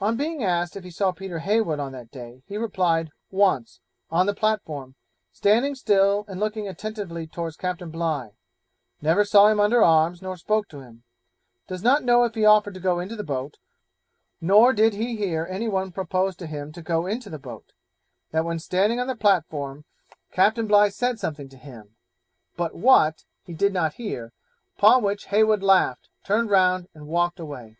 On being asked if he saw Peter Heywood on that day, he replied, once, on the platform, standing still and looking attentively towards Captain Bligh; never saw him under arms nor spoke to him; does not know if he offered to go in the boat, nor did he hear any one propose to him to go in the boat; that when standing on the platform, Captain Bligh said something to him, but what he did not hear, upon which Heywood laughed, turned round, and walked away.